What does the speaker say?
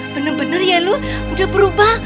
bener bener ya lo udah berubah